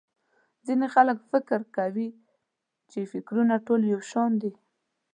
ځينې خلک فکر کوي چې٫ فکرونه ټول يو شان دي.